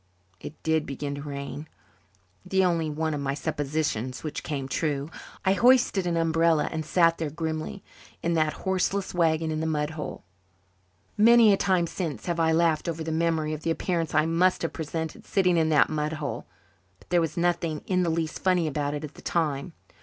It did begin to rain, the only one of my suppositions which came true. I hoisted an umbrella and sat there grimly, in that horseless wagon in the mud hole. Many a time since have I laughed over the memory of the appearance I must have presented sitting in that mud hole, but there was nothing in the least funny about it at the time.